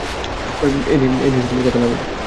এ নিয়ে কথা না বলি?